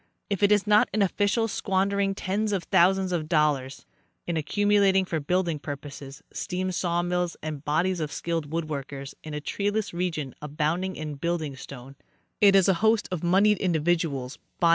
If it is not an official, squandering tens of thousands of dollars in accumulating for building purposes steam saw mills and bodies of skilled wood workers in a treeless region abound ing in building stone, it is a host of moneyed individuals buy The Triumphs of Geography.